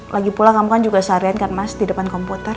lagipula kamu kan juga seharian kan mas di depan kompor